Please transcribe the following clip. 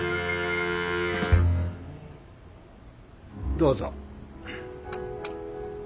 どうぞ。